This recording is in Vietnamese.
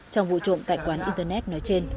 trong vụ trộm tại quán internet nói trên